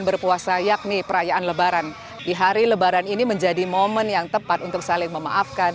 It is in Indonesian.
berpuasa yakni perayaan lebaran di hari lebaran ini menjadi momen yang tepat untuk saling memaafkan